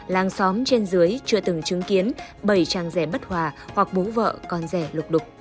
làng xóm trên dưới chưa từng chứng kiến bảy trang rẻ bất hòa hoặc bố vợ con rẻ lục lục